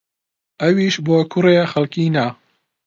ئەویش بۆ کوڕێ خەڵکی نا